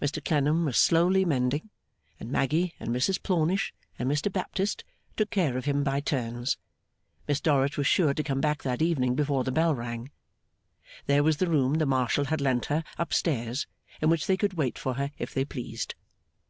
Mr Clennam was slowly mending; and Maggy and Mrs Plornish and Mr Baptist took care of him by turns. Miss Dorrit was sure to come back that evening before the bell rang. There was the room the Marshal had lent her, up stairs, in which they could wait for her, if they pleased.